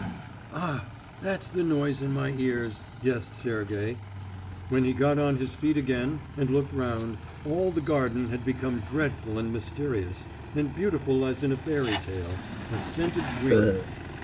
"Ah, that's the noise in my ears," guessed Sergey. When he got on his feet again and looked round, all the garden had become dreadful and mysterious, and beautiful as in a fairy tale, a scented dream.